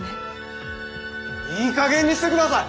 いいかげんにしてください！